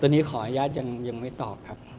ตอนนี้ขออนุญาตยังไม่ตอบครับ